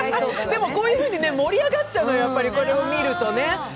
でもこういうふうに盛り上がっちゃうのよ、これを見るとね。